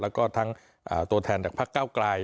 แล้วก็ทั้งตัวแทนจากพักเก้าไกล